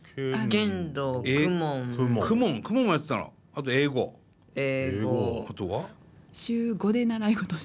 あとは？